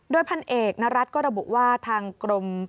ด้วยพันธุ์เอกนรัฐก็ระบุว่าทางกรม